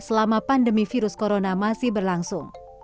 selama pandemi virus corona masih berlangsung